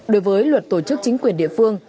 đối với luật tổ chức chính quyền địa phương